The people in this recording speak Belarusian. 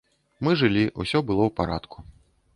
Мы жылі, усё было ў парадку.